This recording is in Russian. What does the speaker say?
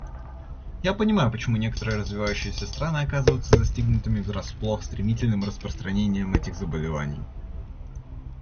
Я понимаю, почему некоторые развивающиеся страны оказываются застигнутыми врасплох стремительным распространением этих заболеваний.